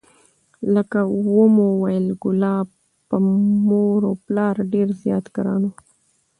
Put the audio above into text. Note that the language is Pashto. لکه ومو ویل کلاب په مور و پلار ډېر زیات ګران و،